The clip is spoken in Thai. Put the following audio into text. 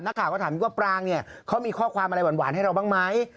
นักข่าวก็ถามพี่ว่าปรางเนี่ยเขามีข้อความอะไรหวานให้เราบ้างไหม